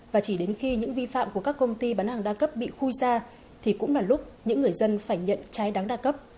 và chỉ đến khi những vi phạm của các công ty bán hàng đa cấp bị khuy ra thì cũng là lúc những người dân phải nhận trái đắn đa cấp